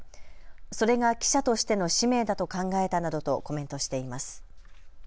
それが記者としての使命だと考えたなどとコメントしています。